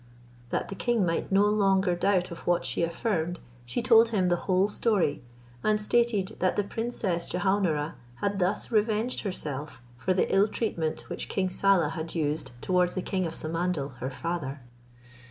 That the king might no longer doubt of what she affirmed, she told him the whole story, and stated that the Princess Jehaun ara had thus revenged herself for the ill treatment which King Saleh had used towards the king of Samandal her father.